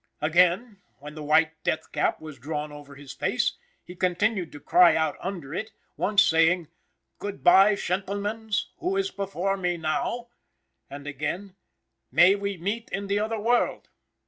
Again, when the white death cap was drawn over his face, he continued to cry out under it, once saying, "Good bye, shentlemens, who is before me now;" and again, "May we meet in the other world."